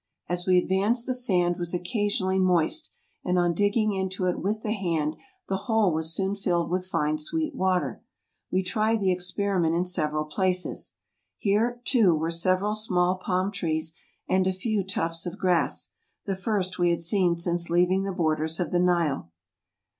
As we advanced the sand was occasionally moist, and on digging into it with the hand, the hole was soon filled with fine sweet water. We tried the expe¬ riment in several places. Here, too, were several small palm trees, and a few tufts of grass, the first we had seen since leaving the borders of the Nile.